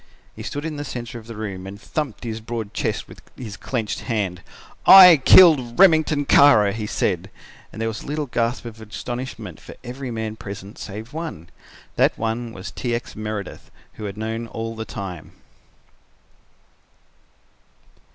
He stood in the centre of the room and thumped his broad chest with his clenched hand. "I killed Remington Kara," he said, and there was a little gasp of astonishment from every man present save one. That one was T. X. Meredith, who had known all the time.